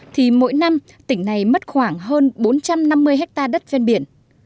thì mỗi năm tỉnh này mất khoảng hơn bốn trăm năm mươi hectare đất ven biển